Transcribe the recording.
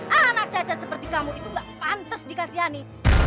anak cacat seperti kamu itu gak pantas dikasihani